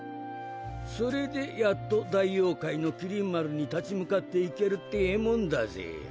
それでやっと大妖怪の麒麟丸に立ち向かっていけるってぇもんだぜ。